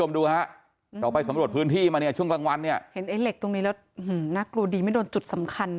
เห็นไอ้เหล็กตรงนี้แล้วหืมนักรู้ดีไม่โดนจุดสำคัญ